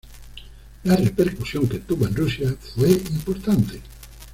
La repercusión que tuvo en Rusia fue importante.